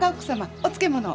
お漬物を。